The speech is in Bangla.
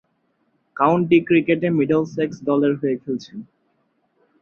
কাউন্টি ক্রিকেটে মিডলসেক্স দলের হয়ে খেলছেন।